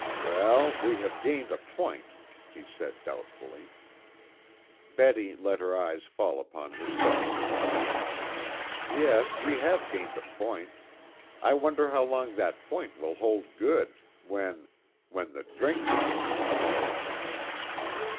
"Well, we have gained a point," he said doubtfully. Betty let her eyes fall upon her sewing again. "Yes, we have gained a point. I wonder how long that point will hold good, when when the drink begins to flow."